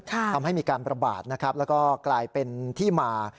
ทำให้มีการประบาดนะครับแล้วก็กลายเป็นที่มา